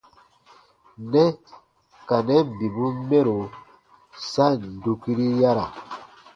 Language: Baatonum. Nɛ ka nɛn bibun mɛro sa ǹ dukiri yara.